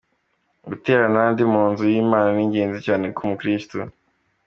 Guterana n’abandi mu nzu y’Imana ni ingenzi cyane ku mukiristu.